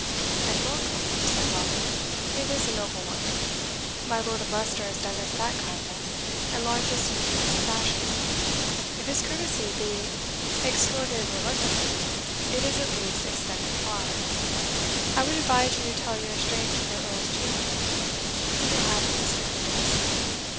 "And welcome," said Raleigh; "it is a noble one. My Lord of Leicester has done us that kindness, and lodged us in princely fashion. If his courtesy be extorted reluctantly, it is at least extended far. I would advise you to tell your strait to the Earl's chamberlain you will have instant redress."